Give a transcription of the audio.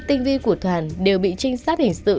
tinh vi của toàn đều bị trinh sát hình sự